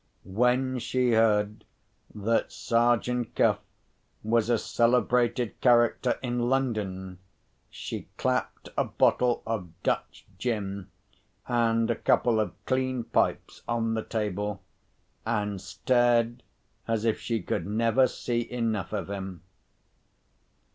When she heard that Sergeant Cuff was a celebrated character in London, she clapped a bottle of Dutch gin and a couple of clean pipes on the table, and stared as if she could never see enough of him.